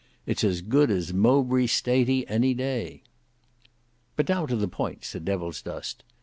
It's as good as Mowbray Staty any day." "But now to the point," said Devilsdust.